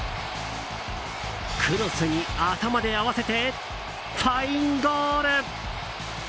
クロスに頭で合わせてファインゴール！